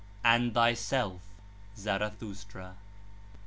and thyself, Zarathustra.'